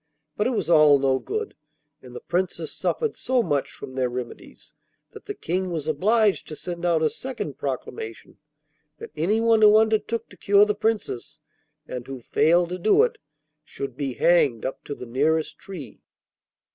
But it was all no good, and the Princess suffered so much from their remedies that the King was obliged to send out a second proclamation that anyone who undertook to cure the Princess, and who failed to do it, should be hanged up to the nearest tree.